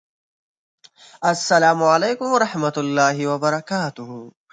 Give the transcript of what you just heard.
د امريکني فلم The Beast of War